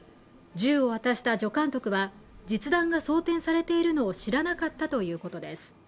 銃を渡した助監督は実弾が装填されているのを知らなかったということです